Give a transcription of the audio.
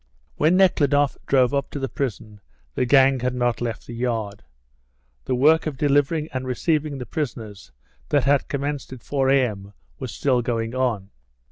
When Nekhludoff drove up to the prison the gang had not left the yard. The work of delivering and receiving the prisoners that had commenced at 4 A.M. was still going on.